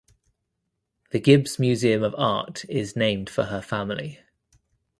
The Gibbes Museum of Art is named for her family.